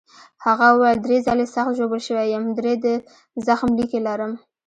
هغه وویل: درې ځلي سخت ژوبل شوی یم، درې د زخم لیکې لرم.